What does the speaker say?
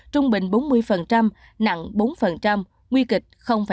trung bình bốn mươi nặng bốn nguy kịch năm